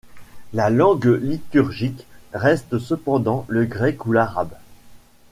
La langue liturgique reste cependant le grec ou l’arabe.